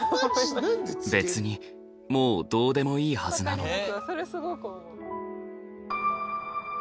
別にもうどうでもいいはずなのに。